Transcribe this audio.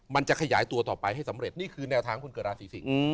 มันจะขยายตัวต่อไปให้สำเร็จนี่คือแนวทางคนเกิดราศีสิง